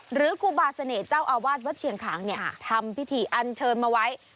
ครูบาเสน่ห์เจ้าอาวาสวัดเชียงขางทำพิธีอันเชิญมาไว้